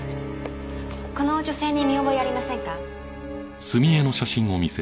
この女性に見覚えありませんか？